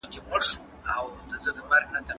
انا په بیړه سره له خونې څخه ووتله.